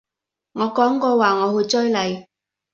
我講過話我會追你